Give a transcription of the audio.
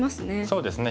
そうですね。